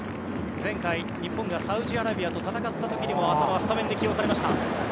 前回、日本がサウジアラビアと戦った時にも浅野はスタメンで起用されました。